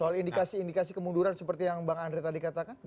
soal indikasi indikasi kemunduran seperti yang bang andre tadi katakan